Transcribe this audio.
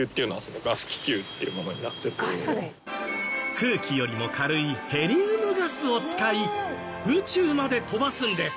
空気よりも軽いヘリウムガスを使い宇宙まで飛ばすんです。